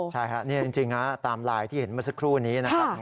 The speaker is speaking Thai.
ใช่ครับนี่จริงตามไลน์ที่เห็นเมื่อสักครู่นี้นะครับ